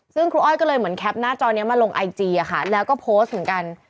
ซึ่งครูอ้อยก็เลยเหมือนแคปหน้าจอนี้มาลงไอจีอะค่ะแล้วก็โพสต์เหมือนกัน